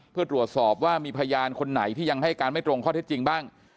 เพื่อตรวจสอบว่ามีพยานคนไหนที่ยังให้การไม่ตรงข้อเท็จจริงบ้าง